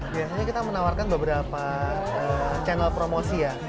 biasanya kita menawarkan beberapa channel promosi ya